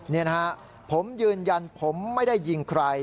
นี่นะฮะผมยืนยันผมไม่ได้ยิงใคร